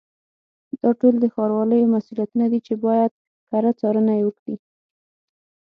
دا ټول د ښاروالیو مسؤلیتونه دي چې باید کره څارنه یې وکړي.